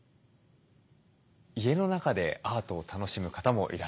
家の中でアートを楽しむ方もいらっしゃいます。